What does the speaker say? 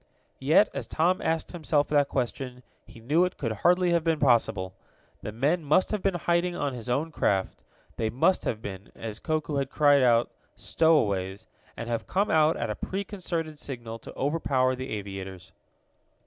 Yet, as Tom asked himself that question, he knew it could hardly have been possible. The men must have been in hiding on his own craft, they must have been, as Koku had cried out stowaways and have come out at a preconcerted signal to overpower the aviators.